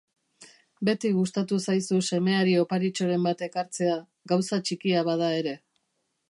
Beti gustatu zaizu semeari oparitxoren bat ekartzea, gauza txikia bada ere.